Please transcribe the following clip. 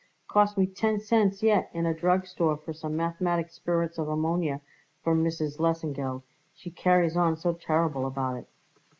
Cost me ten cents yet in a drug store for some mathematic spirits of ammonia for Mrs. Lesengeld she carries on so terrible about it."